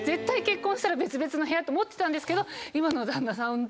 絶対。と思ってたんですけど。